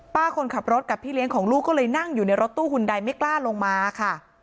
ป้าคนขับรถกับพี่เลี้ยงของลูก